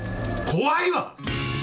怖いわ！